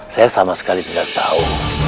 saya sama sekali tidak tahu